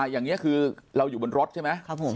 อย่างนี้คือเราอยู่บนรถใช่ไหม